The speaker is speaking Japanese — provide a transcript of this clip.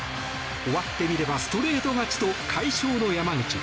終わってみればストレート勝ちと快勝の山口。